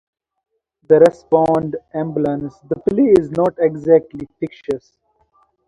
The play is not exactly fictitious.